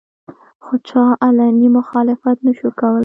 خو چا علني مخالفت نشو کولې